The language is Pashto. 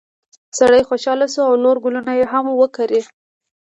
سړی خوشحاله شو او نور ګلونه یې هم وکري.